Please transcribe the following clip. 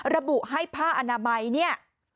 ระบุให้ผ้าอนามัย